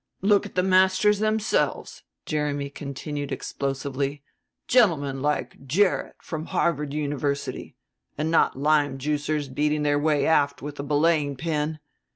"Look at the masters themselves," Jeremy continued explosively; "gentlemen like Gerrit, from Harvard University, and not lime juicers beating their way aft with a belaying pin.